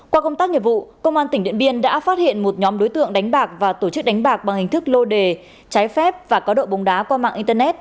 qua công tác nghiệp vụ công an tỉnh điện biên đã phát hiện một nhóm đối tượng đánh bạc và tổ chức đánh bạc bằng hình thức lô đề trái phép và có đội bóng đá qua mạng internet